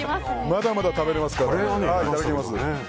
まだまだ食べられますから。